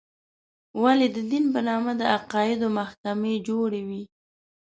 ولې د دین په نامه د عقایدو محکمې جوړې وې.